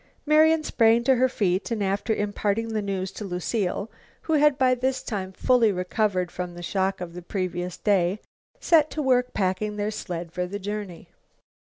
Marian sprang to her feet, and, after imparting the news to Lucile, who had by this time fully recovered from the shock of the previous day, set to work packing their sled for the journey.